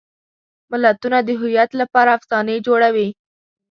ملتونه د هویت لپاره افسانې جوړوي.